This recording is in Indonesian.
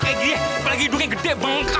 apalagi hidungnya gede bengkak